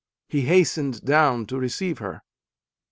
He hastened down to receive her.